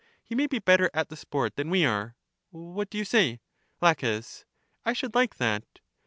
he may be better at the sport than we are. What do you say ? La. I should like that.